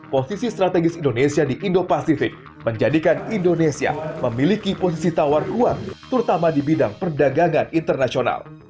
posisi strategis indonesia di indo pasifik menjadikan indonesia memiliki posisi tawar kuat terutama di bidang perdagangan internasional